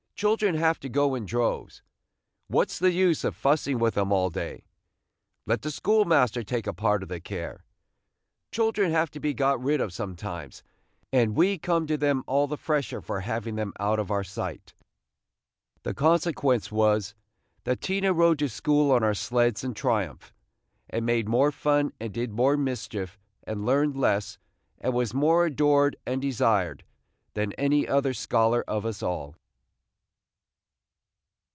Children have to go in droves. What 's the use of fussing with 'em all day? let the schoolmaster take a part of the care. Children have to be got rid of sometimes, and we come to them all the fresher for having them out of our sight." The consequence was, that Tina rode to school on our sleds in triumph, and made more fun, and did more mischief, and learned less, and was more adored and desired, than any other scholar of us all.